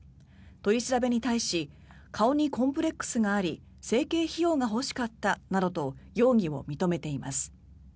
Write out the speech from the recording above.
取り調べに対し顔にコンプレックスがあり整形費用が欲しかったなどと容疑を認めています。